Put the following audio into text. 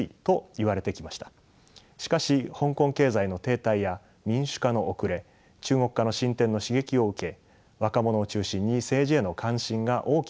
しかし香港経済の停滞や民主化の遅れ中国化の進展の刺激を受け若者を中心に政治への関心が大きく高まりました。